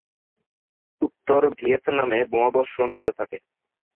উত্তর ভিয়েতনামে বোমাবর্ষণ হতে থাকে।